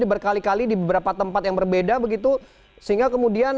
berkali kali di beberapa tempat yang berbeda begitu sehingga kemudian